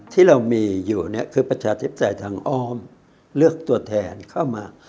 ที่เรามีอยู่เนี่ยคือประชาธิปไตยทางอ้อมเลือกตัวแทนเข้ามา